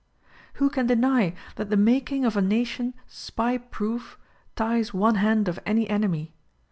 Who can deny that the making of a nation Spy proof ties one hand of any enemy?